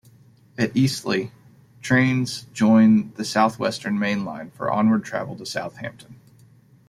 At Eastleigh, trains join the South Western Main Line for onward travel to Southampton.